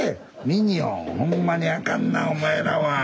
ミニヨンほんまにあかんなお前らは。